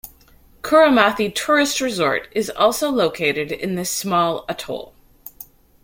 Kuramathi Tourist Resort is also located in this small atoll.